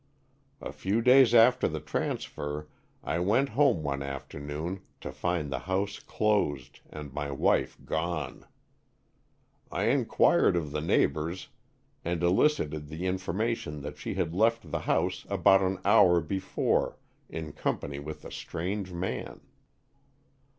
A few days after the transfer, I went home one afternoon to find the house closed and my wife gone. I inquired of the neighbors and elicited the infor mation that she had left the house about an hour before in company with a strange man.